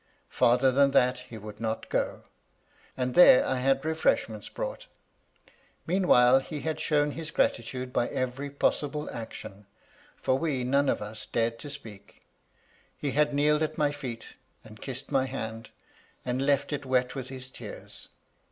Farther than that he would not go ; and there I had refreshments brought. Meanwhile, he had shown his gratitude by every possible action (for we none of us dared to speak) : he had kneeled at my feet, and kissed my hand, and left it wet with his tears.